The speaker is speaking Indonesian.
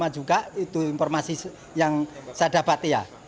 empat puluh lima juga itu informasi yang saya dapat ya